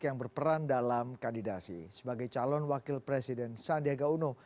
yang berperan dalam kandidasi sebagai calon wakil presiden sandiaga uno